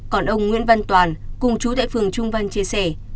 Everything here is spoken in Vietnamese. còn ông nguyễn văn toàn cùng chú tại phường trung văn chia sẻ